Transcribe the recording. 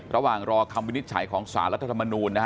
ระหว่างรอคำวินิจฉัยของสารรัฐธรรมนูลนะฮะ